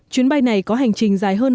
chuyến bay này có hành trình dài nhất